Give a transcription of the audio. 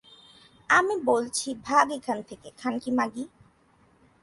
আমি বলছি ভাগ এখান থেকে, খানকি মাগী!